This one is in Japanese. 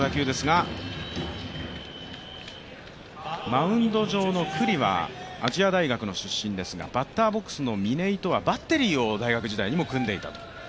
マウンド上の九里は亜細亜大学の出身ですがバッターボックスの嶺井とはバッテリーを大学時代にも組んでいたと。